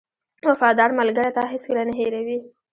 • وفادار ملګری تا هېڅکله نه هېروي.